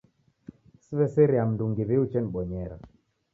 Siw'eseriaa mndungi w'ei uchenibonyera.